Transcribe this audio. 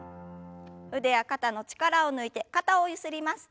腕や肩の力を抜いて肩をゆすります。